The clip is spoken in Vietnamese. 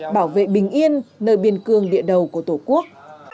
bảo vệ bình yên nơi biên cương địa đầu của tổ quốc